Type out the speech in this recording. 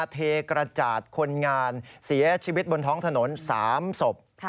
เทกระจาดคนงานเสียชีวิตบนท้องถนน๓ศพ